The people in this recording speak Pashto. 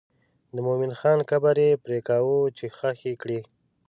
د مومن خان قبر یې پرېکاوه چې ښخ یې کړي.